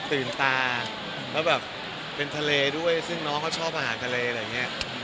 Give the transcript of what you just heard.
คือน้องเขาชอบอาหารทะเลอะไรอย่างเนี่ย